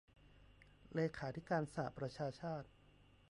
เลธิการสหประชาชาติ